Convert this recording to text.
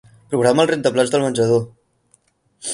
Programa el rentaplats del menjador.